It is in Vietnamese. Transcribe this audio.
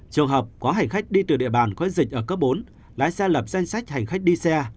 trường hợp có hành khách đi từ địa bàn có dịch ở cấp bốn lái xe lập danh sách hành khách đi xe